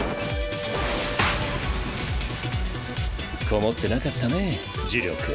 こもってなかったね呪力。